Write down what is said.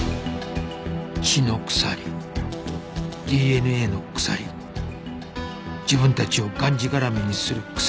血の鎖 ＤＮＡ の鎖自分たちをがんじがらめにする鎖